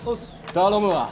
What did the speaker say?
頼むわ。